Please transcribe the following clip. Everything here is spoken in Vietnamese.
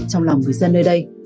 trong lòng người dân nơi đây